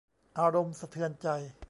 อารมณ์สะเทือนใจ